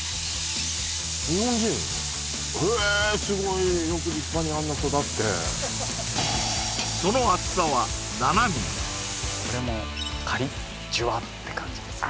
日本人？へすごいよく立派にあんな育ってその厚さはこれもカリッジュワッて感じですね